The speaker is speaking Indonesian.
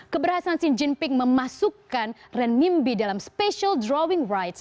keberhasilan xi jinping memasukkan rennimbi dalam special drawing rights